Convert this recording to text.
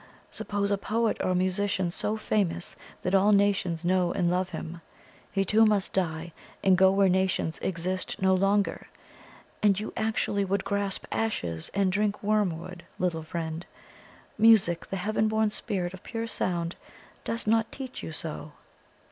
Suppose a poet or musician so famous that all nations know and love him: he too must die, and go where nations exist no longer. And you actually would grasp ashes and drink wormwood, little friend? Music, the heaven born spirit of pure sound, does not teach you so!"